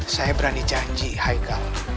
saya berani janji haikal